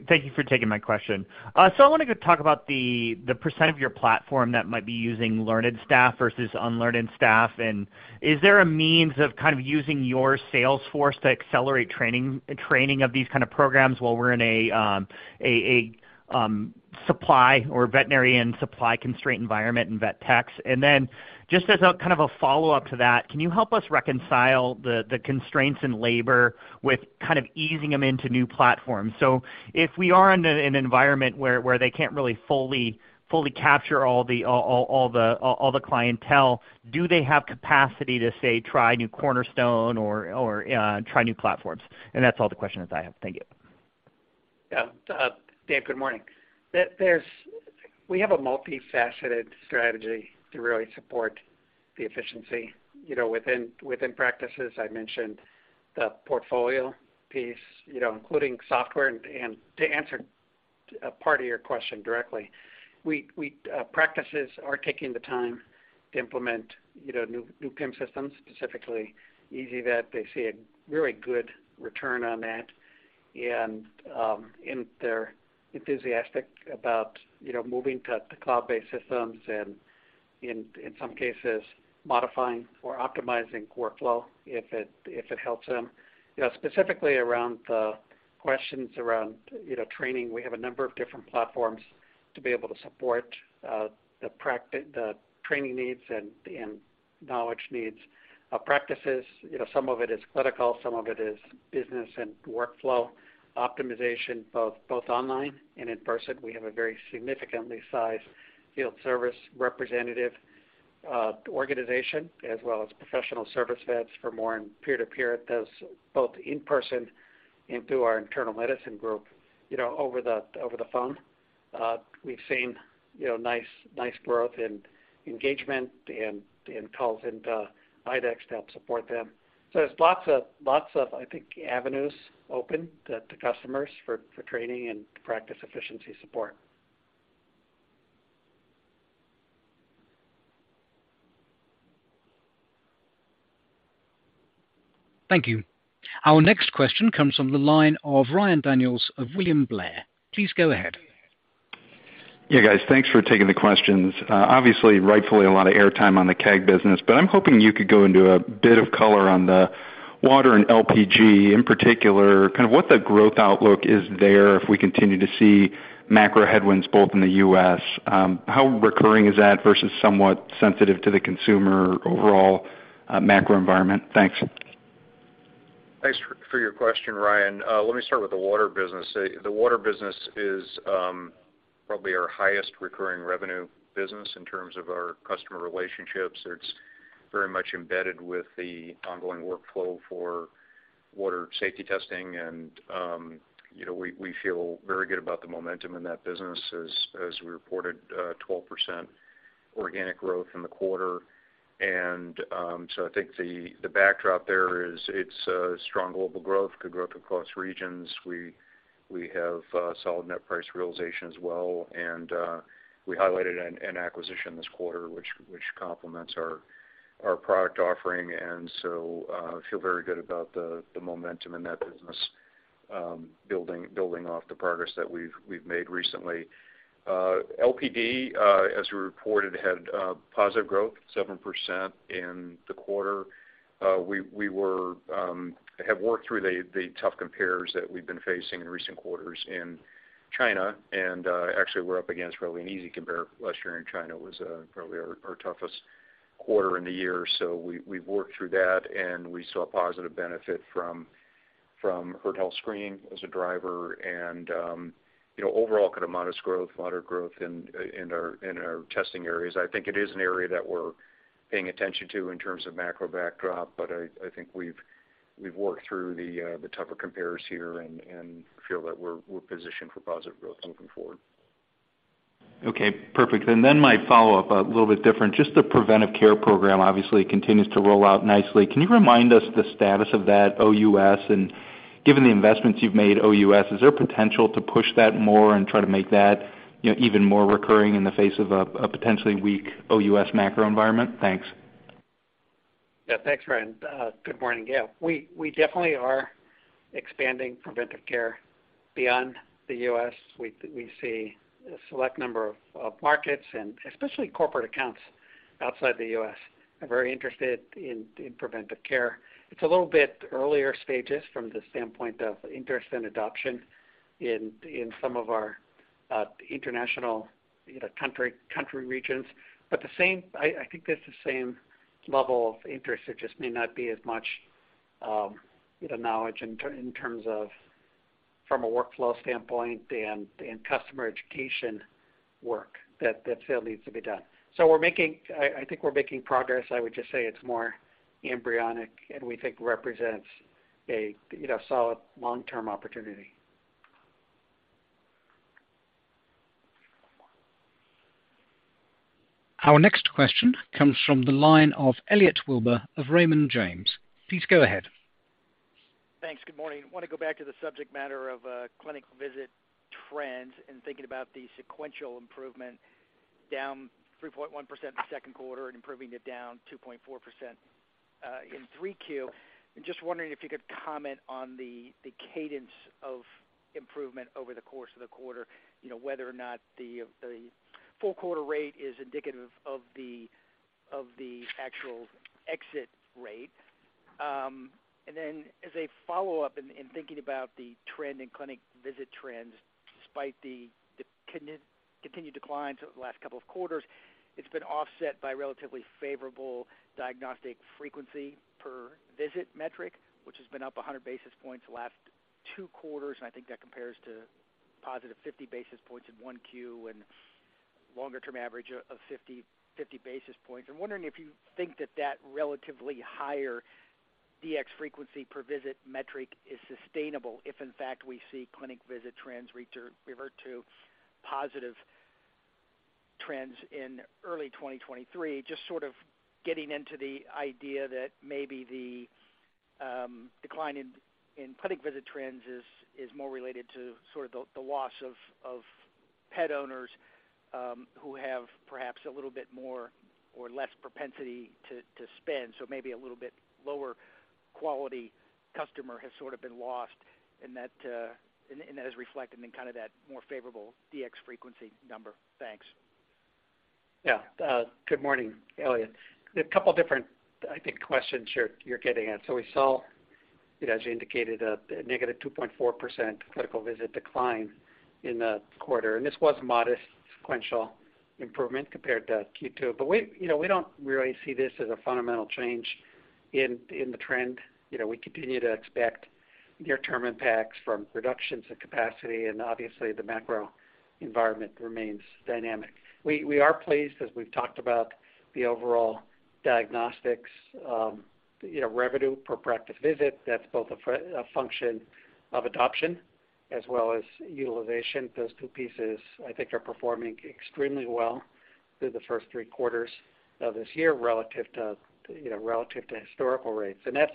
Thank you for taking my question. I wanted to talk about the percent of your platform that might be using trained staff versus untrained staff. Is there a means of kind of using your sales force to accelerate training of these kind of programs while we're in a supply of veterinarian supply constraint environment in vet techs? Just as a kind of a follow-up to that, can you help us reconcile the constraints in labor with kind of easing them into new platforms? If we are in an environment where they can't really fully capture all the clientele, do they have capacity to, say, try new Cornerstone or try new platforms? That's all the questions I have. Thank you. Yeah. David, good morning. We have a multifaceted strategy to really support the efficiency, you know, within practices. I mentioned the portfolio piece, you know, including software. To answer a part of your question directly, practices are taking the time to implement, you know, new PIM systems, specifically ezyVet. They see a really good return on that. They're enthusiastic about, you know, moving to cloud-based systems and in some cases modifying or optimizing workflow if it helps them. You know, specifically around the questions around training, we have a number of different platforms to be able to support the training needs and knowledge needs of practices. You know, some of it is clinical, some of it is business and workflow optimization, both online and in person. We have a very significantly sized field service representative organization as well as professional service vets for more peer-to-peer. It does both in person and through our internal medicine group, you know, over the phone. We've seen, you know, nice growth in engagement and calls into IDEXX to help support them. There's lots of, I think, avenues open to customers for training and practice efficiency support. Thank you. Our next question comes from the line of Ryan Daniels of William Blair. Please go ahead. Yeah, guys. Thanks for taking the questions. Obviously, rightfully, a lot of air time on the CAG business, but I'm hoping you could go into a bit of color on the water and LPD. In particular, kind of what the growth outlook is there if we continue to see macro headwinds both in the US, how recurring is that versus somewhat sensitive to the consumer overall, macro environment? Thanks. Thanks for your question, Ryan. Let me start with the water business. The water business is probably our highest recurring revenue business in terms of our customer relationships. It's very much embedded with the ongoing workflow for water safety testing. You know, we feel very good about the momentum in that business as we reported 12% organic growth in the quarter. I think the backdrop there is it's strong global growth, good growth across regions. We have solid net price realization as well. We highlighted an acquisition this quarter which complements our product offering. Feel very good about the momentum in that business, building off the progress that we've made recently. LPD, as we reported, had positive growth, 7% in the quarter. We have worked through the tough compares that we've been facing in recent quarters in China. Actually we're up against really an easy compare. Last year in China was probably our toughest quarter in the year. We've worked through that, and we saw positive benefit from herd health screening as a driver and you know, overall kind of modest growth, moderate growth in our testing areas. I think it is an area that we're paying attention to in terms of macro backdrop, but I think we've worked through the tougher compares here and feel that we're positioned for positive growth moving forward. Okay, perfect. My follow-up, a little bit different. Just the preventive care program obviously continues to roll out nicely. Can you remind us the status of that OUS? Given the investments you've made OUS, is there potential to push that more and try to make that, you know, even more recurring in the face of a potentially weak OUS macro environment? Thanks. Yeah, thanks, Ryan. Good morning. Yeah. We definitely are expanding preventive care beyond the US We see a select number of markets and especially corporate accounts outside the U.S. are very interested in preventive care. It's a little bit earlier stages from the standpoint of interest and adoption in some of our international, you know, country regions. I think it's the same level of interest. There just may not be as much, you know, knowledge in terms of from a workflow standpoint and customer education work that still needs to be done. I think we're making progress. I would just say it's more embryonic, and we think represents a, you know, solid long-term opportunity. Our next question comes from the line of Elliot Wilbur of Raymond James. Please go ahead. Thanks. Good morning. Wanna go back to the subject matter of clinical visit trends and thinking about the sequential improvement down 3.1% in the Q2 and improving it down 2.4% in 3Q. I'm just wondering if you could comment on the cadence of improvement over the course of the quarter, you know, whether or not the full quarter rate is indicative of the actual exit rate. As a follow-up in thinking about the trend in clinic visit trends, despite the continued declines over the last couple of quarters, it's been offset by relatively favorable diagnostic frequency per visit metric, which has been up 100 basis points the last two quarters, and I think that compares to positive 50 basis points in 1Q and longer-term average of 50 basis points. I'm wondering if you think that relatively higher DX frequency per visit metric is sustainable if in fact we see clinic visit trends reach or revert to positive trends in early 2023. Just sort of getting into the idea that maybe the decline in clinic visit trends is more related to sort of the loss of pet owners who have perhaps a little bit more or less propensity to spend. Maybe a little bit lower quality customer has sort of been lost and that is reflected in kind of that more favorable DX frequency number. Thanks. Yeah. Good morning, Elliot. A couple different, I think, questions you're getting at. We saw, as you indicated, a negative 2.4% clinical visit decline in the quarter, and this was modest sequential improvement compared to Q2. We, you know, don't really see this as a fundamental change in the trend. You know, we continue to expect near-term impacts from reductions in capacity, and obviously, the macro environment remains dynamic. We are pleased, as we've talked about, the overall diagnostics, you know, revenue per practice visit. That's both a function of adoption as well as utilization. Those two pieces, I think, are performing extremely well through the 1st three quarters of this year relative to historical rates. That's,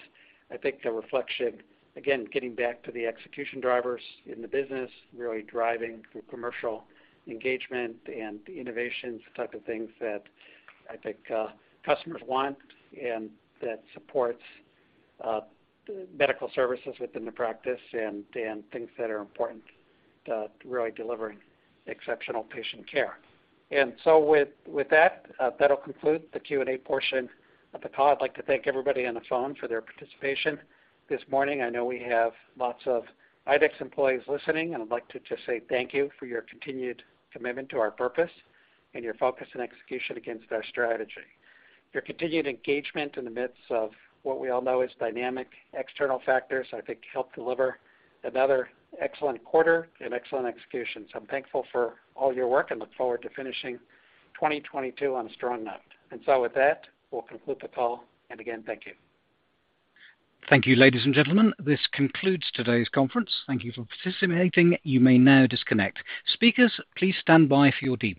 I think, a reflection, again, getting back to the execution drivers in the business, really driving through commercial engagement and innovations, the type of things that I think, customers want and that supports, medical services within the practice and things that are important to really delivering exceptional patient care. With that'll conclude the Q&A portion of the call. I'd like to thank everybody on the phone for their participation this morning. I know we have lots of IDEXX employees listening, and I'd like to just say thank you for your continued commitment to our purpose and your focus and execution against our strategy. Your continued engagement in the midst of what we all know is dynamic external factors, I think help deliver another excellent quarter and excellent execution. I'm thankful for all your work and look forward to finishing 2022 on a strong note. With that, we'll conclude the call. Again, thank you. Thank you, ladies and gentlemen. This concludes today's conference. Thank you for participating. You may now disconnect. Speakers, please stand by for your debrief.